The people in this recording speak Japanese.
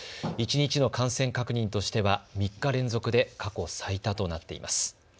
一日の感染確認としては３日連続で過去最多となっています。